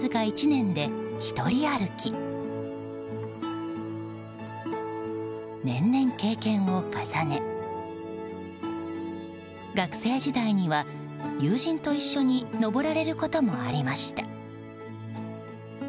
年々経験を重ね、学生時代には友人と一緒に登られることもありました。